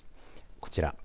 こちら。